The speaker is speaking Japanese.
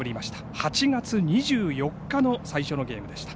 ８月２４日の最初のゲームでした。